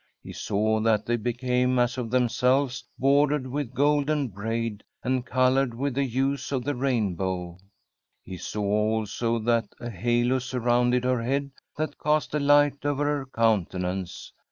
He saw that they became, as of themselves, bor dered with golden braid, and coloured with the hues of the rainbow. He saw also that a halo surrounded her head that cast a light over her countenance.